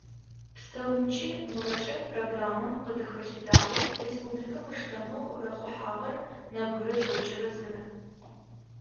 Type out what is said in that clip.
Пстэумкӏи мыгъэкӏэ программэм къыдыхэлъытагъэу республикэм ыштэнэу рахъухьагъэр нэбгырэ тӏокӏырэ зырэ.